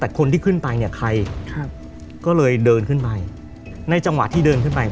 แต่คนที่ขึ้นไปเนี่ยใครครับก็เลยเดินขึ้นไปในจังหวะที่เดินขึ้นไป